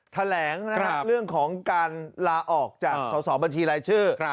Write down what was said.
แถลงเรื่องของการลาออกจากส่อบัญชีรายชื่อ